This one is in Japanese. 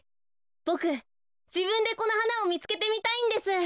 ボクじぶんでこのはなをみつけてみたいんです。